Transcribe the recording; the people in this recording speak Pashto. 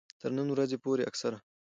تر نن ورځې پورې اکثره